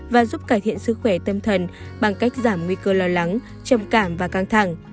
và giúp cải thiện sức khỏe tâm thần bằng cách giảm nguy cơ lo lắng trầm cảm và căng thẳng